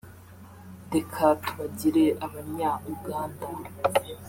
reka tubagire Abanya-Uganda